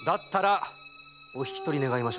お引き取り願いましょう。